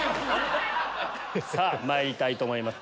さぁまいりたいと思います